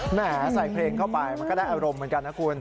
แหมใส่เพลงเข้าไปมันก็ได้อารมณ์เหมือนกันนะคุณ